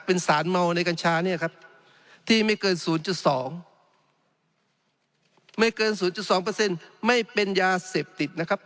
เป็นสารเมาในกัญชาเนี่ยครับที่ไม่เกิน๐๒ไม่เกิน๐๒ไม่เป็นยาเสพติดนะครับ